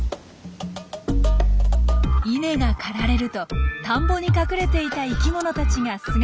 稲が刈られると田んぼに隠れていた生きものたちが姿を現します。